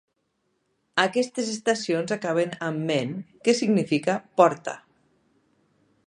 Aquestes estacions acaben amb "men", que significa 'porta'.